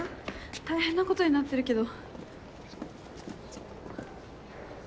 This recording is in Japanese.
大変なことになってるけど。